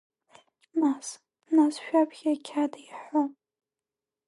Нас, нас шәаԥхьеи ақьаад иаҳәо.